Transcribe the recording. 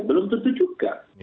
belum tentu juga